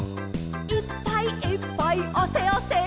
「いっぱいいっぱいあせあせ」